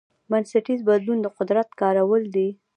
بنسټیز بدلون د قدرت کارول غواړي.